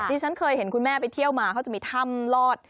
ที่ฉันเคยเห็นคุณแม่ไปเที่ยวมาเขาจะมีถ้ำลอด